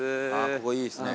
ここいいですね。